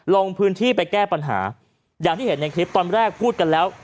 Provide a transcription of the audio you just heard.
ลงพื้นที่ไปแก้ปัญหาอย่างที่เห็นในคลิปตอนแรกพูดกันแล้ว